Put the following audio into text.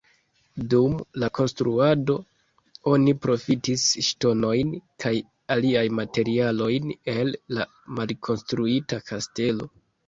Dum la konstruado oni profitis ŝtonojn kaj aliaj materialojn el la malkonstruita kastelo.